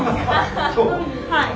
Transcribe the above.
はい。